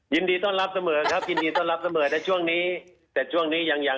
ยินดีสต้อนรับเสมอยินดีสต้อนรับเสมอแต่ช่วงนี้ยัง